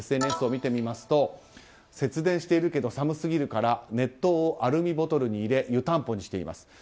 ＳＮＳを見てみますと節電しているけど寒すぎるから熱湯をアルミボトルに入れ湯たんぽにしています。